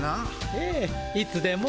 ええいつでも。